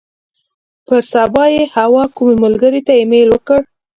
پر سبا یې حوا کومې ملګرې ته ایمیل وکړ.